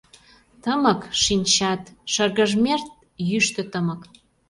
Тымык — шинчат. Шыргыжмет — йӱштӧ тымык.